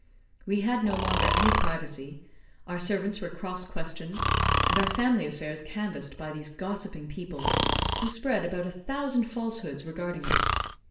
We had no longer any privacy, our servants were cross questioned, and our family affairs canvassed by these gossiping people, who spread about a thousand falsehoods regarding us.